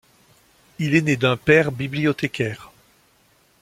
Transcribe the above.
Il est né d'un père bibliothécaire.